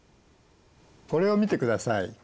これを見てください。